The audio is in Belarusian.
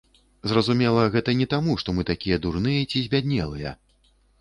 Зразумела, гэта не таму што мы такія дурныя ці збяднелыя!